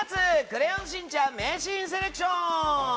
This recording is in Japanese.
「クレヨンしんちゃん」名シーンセレクション。